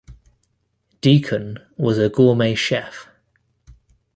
Deacon was a gourmet chef.